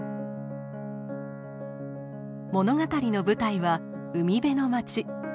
物語の舞台は海辺の街。